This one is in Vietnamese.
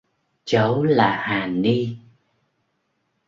Cháu là hà ni